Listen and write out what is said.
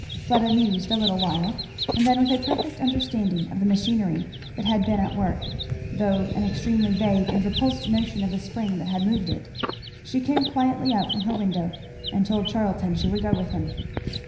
Fleda mused a little while; and then with a perfect understanding of the machinery that had been at work, though an extremely vague and repulsed notion of the spring that had moved it, she came quietly out from her window and told Charlton she would go with him.